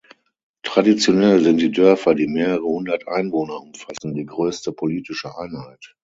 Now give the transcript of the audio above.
Traditionell sind die Dörfer, die mehrere Hundert Einwohner umfassen, die größte politische Einheit.